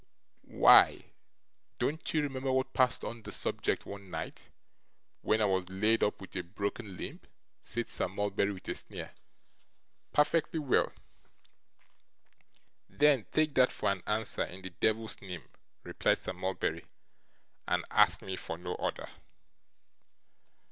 'Why, don't you remember what passed on the subject one night, when I was laid up with a broken limb?' said Sir Mulberry, with a sneer. 'Perfectly well.' 'Then take that for an answer, in the devil's name,' replied Sir Mulberry, 'and ask me for no other.